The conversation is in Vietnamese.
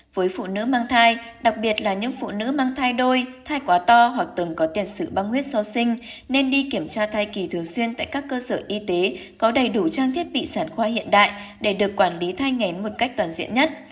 với phụ nữ mang thai đặc biệt là những phụ nữ mang thai đôi thai quá to hoặc từng có tiền sử băng huyết sau sinh nên đi kiểm tra thai kỳ thường xuyên tại các cơ sở y tế có đầy đủ trang thiết bị sản khoa hiện đại để được quản lý thai ngén một cách toàn diện nhất